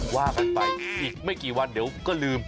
ว่ากันไปอีกไม่กี่วันเดี๋ยวก็ลืม